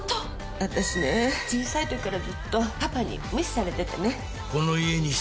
私ね、小さい時からずっとパパに無視されててね。